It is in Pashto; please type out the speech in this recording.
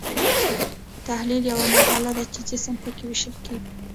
تحلیل یوه مرحله ده چې جسم پکې ویشل کیږي.